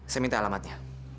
saya minta alamatnya